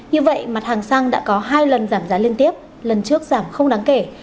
như vậy mặt hàng xăng đã có hai lần giảm giá liên tiếp lần trước giảm không đáng kể